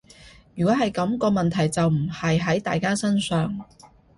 如果係噉，個問題就唔係喺大家身上